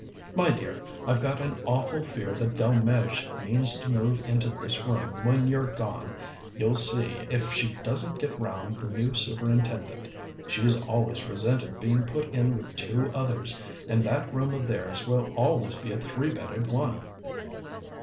"My dear, I've got an awful fear that Delmege means to move into this room when you're gone. You'll see if she doesn't get round the new Superintendent. She's always resented being put in with two others, and that room of theirs will always be a three bedded one."